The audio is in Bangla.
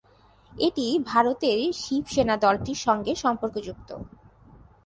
এটি ভারতের শিবসেনা দলটির সঙ্গে সম্পর্কযুক্ত।